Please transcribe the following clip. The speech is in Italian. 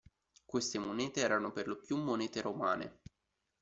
Queste monete erano per lo più monete romane.